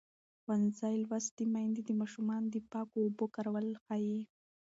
ښوونځې لوستې میندې د ماشومانو د پاکو اوبو کارول ښيي.